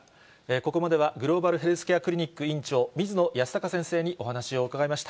ここまではグローバルヘルスケアクリニック院長、水野泰孝先生にお話を伺いました。